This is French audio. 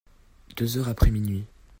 Deux heures après minuit.